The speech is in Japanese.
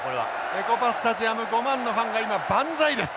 エコパスタジアム５万のファンが今万歳です！